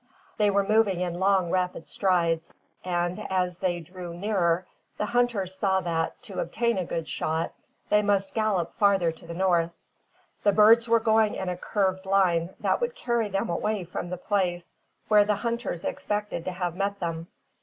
They were moving in long rapid strides; and, as they drew nearer, the hunters saw that, to obtain a good shot, they must gallop farther to the north. The birds were going in a curved line that would carry them away from the place where the hunters expected to have met them.